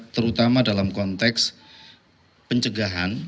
terutama dalam konteks pencegahan